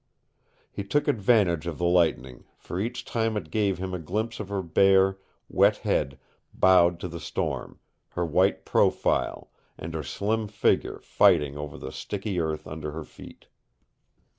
He took advantage of the lightning, for each time it gave him a glimpse of her bare, wet head bowed to the storm, her white profile, and her slim figure fighting over the sticky earth under her feet.